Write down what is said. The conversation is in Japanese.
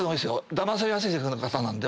だまされやすい性格の方なんで。